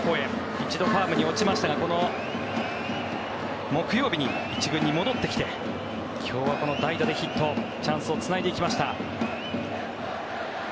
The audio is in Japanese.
一度、ファームに落ちましたが木曜日に１軍に戻ってきて今日は代打でヒットチャンスをつないでいきました。